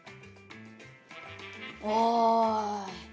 おい。